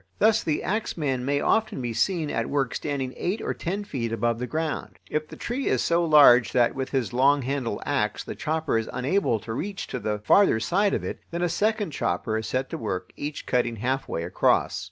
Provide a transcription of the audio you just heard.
Thus the axeman may often be seen at work standing eight or ten feet above the ground. If the tree is so large that with his long handled axe the chopper is unable to reach to the farther side of it, then a second chopper is set to work, each cutting halfway across.